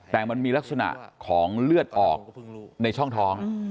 แต่มันมีลักษณะของเลือดออกในช่องท้อง